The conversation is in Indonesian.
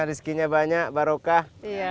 rizkinya banyak barokah